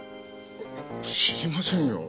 知りませんよ。